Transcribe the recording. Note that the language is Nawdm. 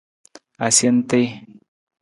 Asentii.